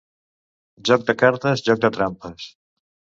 Joc de cartes, joc de trampes.